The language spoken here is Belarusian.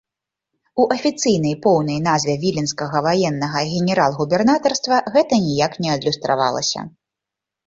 У афіцыйнай поўнай назве віленскага ваеннага генерал-губернатарства гэта ніяк не адлюстравалася.